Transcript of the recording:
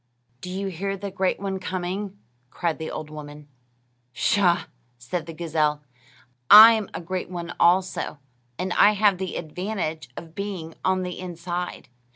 "Do you hear the great one coming?" cried the old woman. "Pshaw!" said the gazelle; "I'm a great one also and I have the advantage of being on the inside.